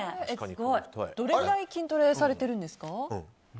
どれぐらい筋トレされてるんですか？